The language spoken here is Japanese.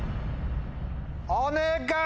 お願い！